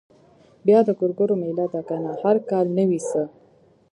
بيا د ګورګورو مېله ده کنه هر کال نه وي څه.